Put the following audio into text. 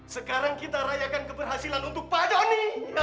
sekarang kita rayakan keberhasilan untuk pak joni